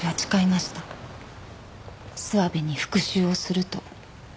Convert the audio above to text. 諏訪部に復讐をすると。